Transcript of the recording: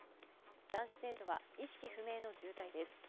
男子生徒は意識不明の重体です。